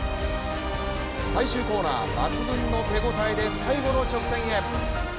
最終コーナー、抜群の手応えで最後の直線へ。